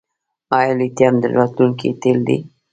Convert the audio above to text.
آیا لیتیم د راتلونکي تیل دي؟